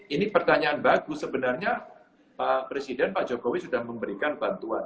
ini pertanyaan bagus sebenarnya pak presiden pak jokowi sudah memberikan bantuan